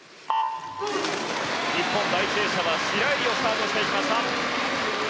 日本、第１泳者、白井璃緒スタートしていきました。